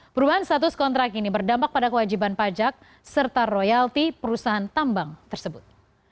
perubahan status kontrak ini berdampak pada kewajiban pajak serta royalti perusahaan tambang tersebut